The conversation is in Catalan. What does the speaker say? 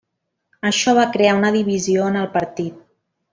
Això va crear una divisió en el partit.